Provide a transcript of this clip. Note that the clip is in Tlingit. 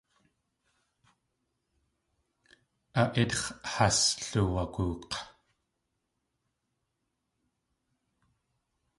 A ítx̲ has loowagook̲.